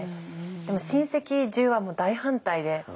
でも親戚中は大反対で。